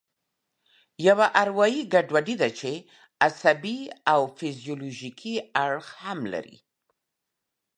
یوه اروایي ګډوډي ده چې عصبي او فزیولوژیکي اړخ هم لري.